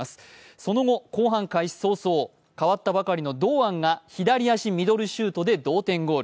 その後、後半開始早々代わったばかりの堂安が左足ミドルシュートで同点ゴール。